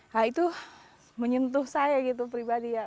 nah itu menyentuh saya gitu pribadi ya